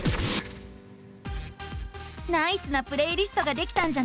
ナイスなプレイリストができたんじゃない！